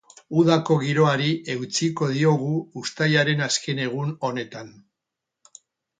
Udako giroari eutsiko diogu uztailaren azken egun honetan.